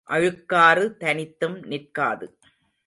அழுக்காறு தனித்தும் நிற்காது.